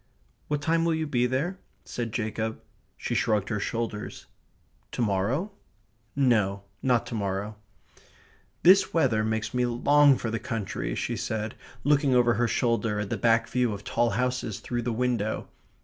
"What time will you be there?" said Jacob. She shrugged her shoulders. "To morrow?" No, not to morrow. "This weather makes me long for the country," she said, looking over her shoulder at the back view of tall houses through the window.